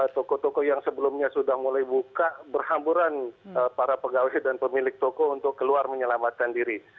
toko toko yang sebelumnya sudah mulai buka berhamburan para pegawai dan pemilik toko untuk keluar menyelamatkan diri